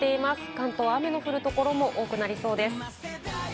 関東、雨が降るところも多くなりそうです。